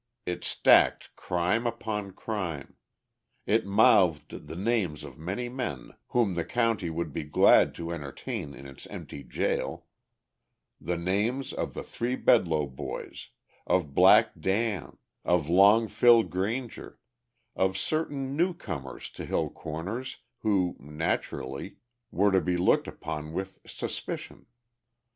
It stacked crime upon crime; it mouthed the names of many men whom the county would be glad to entertain in its empty jail, the names of the three Bedloe boys, of Black Dan, of Long Phil Granger, of certain newcomers to Hill's Corners who, naturally, were to be looked upon with suspicion.